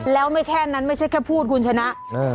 แล้วไม่แค่นั้นไม่ใช่แค่พูดคุณชนะ